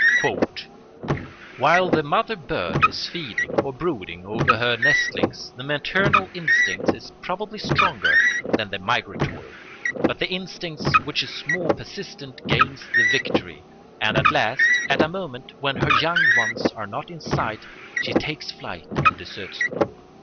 "While the mother bird is feeding or brooding over her nestlings, the maternal instinct is probably stronger than the migratory; but the instinct which is more persistent gains the victory, and at last, at a moment when her young ones are not in sight, she takes flight and deserts them.